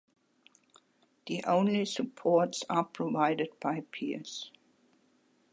The only supports are provided by piers.